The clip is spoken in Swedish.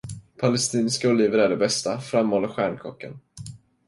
Palestinska oliver är de bästa, framhåller stjärnkocken.